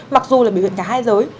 mặc dù là biểu hiện cả hai giới